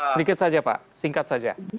sedikit saja pak singkat saja